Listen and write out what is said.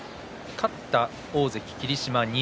勝った大関霧島は西。